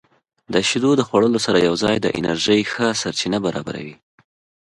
• شیدې د خوړو سره یوځای د انرژۍ ښه سرچینه برابروي.